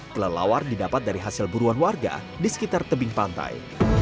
kelelawar didapat dari hasil buruan warga di sekitar tebing pantai